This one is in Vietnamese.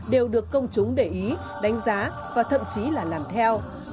đều được công chúng để ý đánh giá và thậm chí là làm theo